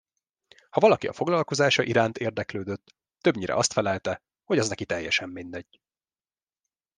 Ha valaki a foglalkozása iránt érdeklődött, többnyire azt felelte, hogy az neki teljesen mindegy.